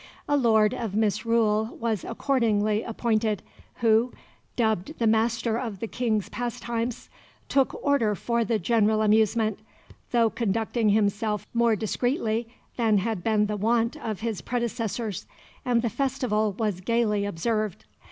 A Lord of Misrule was accordingly appointed, who, dubbed the Master of the King's Pastimes, took order for the general amusement, though conducting himself more discreetly than had been the wont of his predecessors, and the festival was gaily observed.